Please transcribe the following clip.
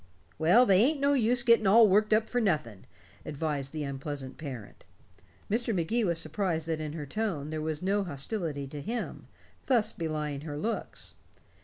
"Well, they ain't no use gettin' all worked up for nothing," advised the unpleasant parent. Mr. Magee was surprised that in her tone there was no hostility to him thus belying her looks.